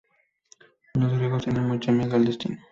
Los griegos tenían mucho miedo al destino.